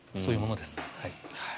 そういうものです。